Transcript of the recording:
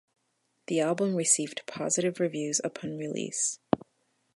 The album received positive reviews upon release.